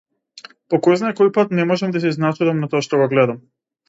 По којзнае кој пат не можам да се изначудам на тоа што го гледам.